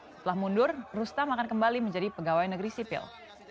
setelah mundur rustam akan kembali menjadi pegawai negeri sipil